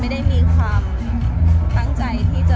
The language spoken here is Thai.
แม็กซ์ก็คือหนักที่สุดในชีวิตเลยจริง